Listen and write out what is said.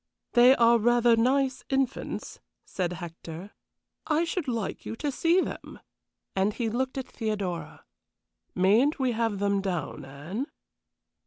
"They are rather nice infants," said Hector. "I should like you to see them," and he looked at Theodora. "Mayn't we have them down, Anne?"